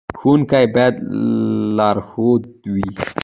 ښوونکی باید لارښود وي